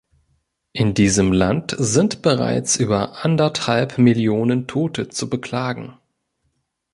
In diesem Land sind bereits über anderthalb Millionen Tote zu beklagen.